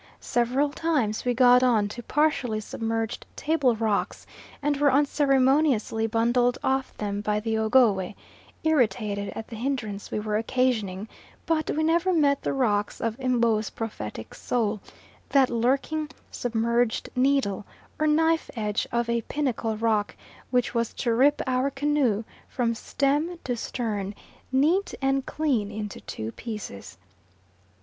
Several times we got on to partially submerged table rocks, and were unceremoniously bundled off them by the Ogowe, irritated at the hindrance we were occasioning; but we never met the rocks of M'bo's prophetic soul that lurking, submerged needle, or knife edge of a pinnacle rock which was to rip our canoe from stem to stern, neat and clean into two pieces.